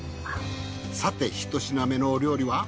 さて一品目のお料理は？